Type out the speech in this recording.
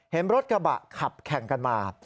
เห็นรถกระบะขับแข่งกันมา